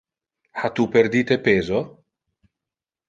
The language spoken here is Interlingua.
Ha tu perdite peso?